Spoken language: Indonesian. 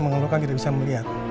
mengeluhkan tidak bisa melihat